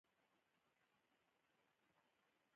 د مکې ختیځ لورته ووتو.